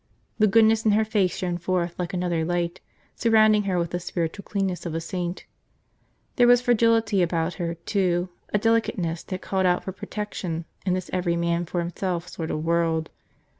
The goodness in her face shone forth like another light, surrounding her with the spiritual cleanness of a saint. There was fragility about her, too, a delicateness that called out for protection in this every man for himself sort of world.